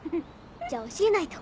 じゃあ教えないと。